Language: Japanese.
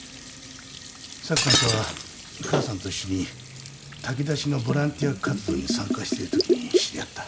サクさんとは母さんと一緒に炊き出しのボランティア活動に参加しているときに知り合った。